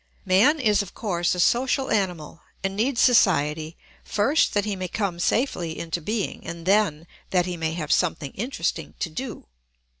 Man is of course a social animal and needs society first that he may come safely into being, and then that he may have something interesting to do.